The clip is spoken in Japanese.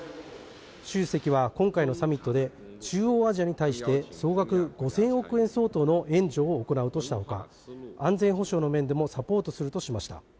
習主席は今回のサミットで中央アジアに対して、総額５０００億円相当の援助を行うとしたほか安全保障の面でもサポートするとしました。